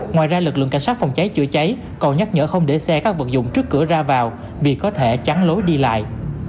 ngoài ra lực lượng cảnh sát phòng cháy chữa cháy còn nhắc nhở không để xe các vật dụng trước cửa ra vào vì có thể chắn lối đi lại